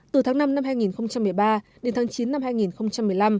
từ tháng năm năm hai nghìn một mươi ba đến tháng chín năm hai nghìn một mươi năm